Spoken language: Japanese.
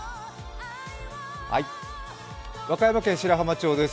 和歌山県白浜町です。